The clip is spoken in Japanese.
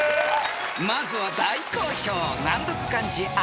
［まずは大好評］